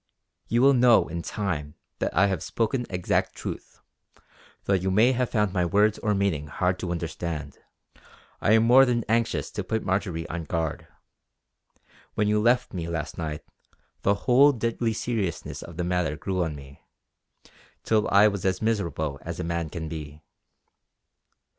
You will know in time that I have spoken exact truth; though you may have found my words or meaning hard to understand. I am more than anxious to put Marjory on guard. When you left me last night, the whole deadly seriousness of the matter grew on me, till I was as miserable as a man can be."